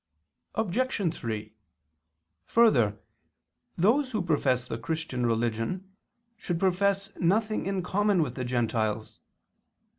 Obj. 3: Further, those who profess the Christian religion should profess nothing in common with the Gentiles.